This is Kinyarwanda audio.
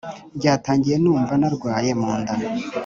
Byatangiye numva narwaye munda